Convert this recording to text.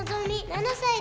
７歳。